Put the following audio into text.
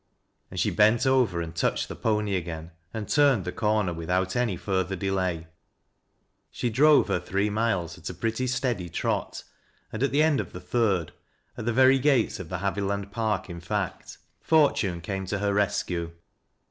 And slm bert over and touched the pony again and turned the cot uor without any further delay 126 THAT LAaS a LO WRIB^b. She drove her three miles at a pretty steady trot, and at the end of the third,— at the very gates of the Havllaiid Park, in fact, — fortune came to her rescue.